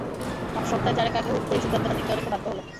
মাত্র সপ্তাহ চারেক আগে হুট করেই সিদ্ধান্তটা নিতে অনেকটা বাধ্য হলাম।